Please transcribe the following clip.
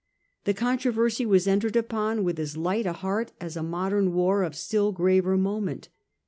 The controversy was entered upon with as light a heart as a modem' war of still graver moment.